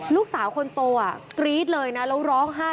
ลูกสาวคนโตกรี๊ดเลยนะแล้วร้องไห้